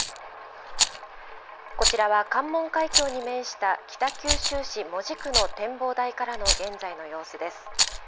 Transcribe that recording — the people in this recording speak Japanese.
こちらは、関門海峡に面した北九州市門司区の展望台からの現在の様子です。